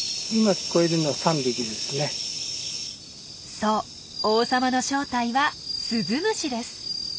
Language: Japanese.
そう王様の正体はスズムシです。